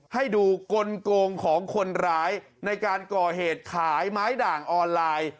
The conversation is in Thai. ให้ดูกลงของคนร้ายในการก่อเหตุขายไม้ด่างออนไลน์